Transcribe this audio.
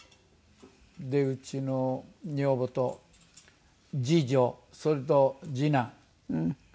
うちの女房と次女それと次男。